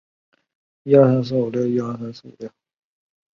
中华全国总工会向孟二冬颁发了全国五一劳动奖章。